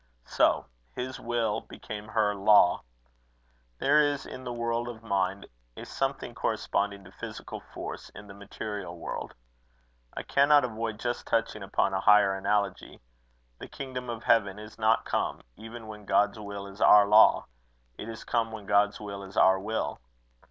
"So his will became her law. There is in the world of mind a something corresponding to physical force in the material world. I cannot avoid just touching upon a higher analogy. The kingdom of heaven is not come, even when God's will is our law: it is come when God's will is our will.